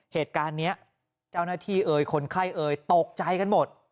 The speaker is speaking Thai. เหตุการณ์นี้เจ้าหน้าที่เอ่ยคนไข้เอ่ยตกใจกันหมด